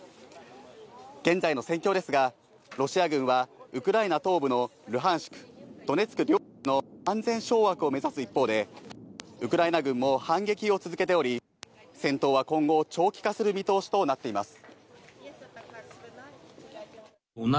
現在の戦況ですが、ロシア軍はウクライナ東部のルハンシク、ドネツク両州の完全掌握を目指す一方で、ウクライナ軍も反撃を続けており、戦闘は今後、長期化する見通しとなっています。